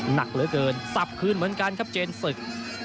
หนักเหลือเกินสับคืนเหมือนกันครับเจนศึก